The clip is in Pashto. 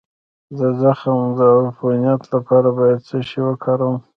د زخم د عفونت لپاره باید څه شی وکاروم؟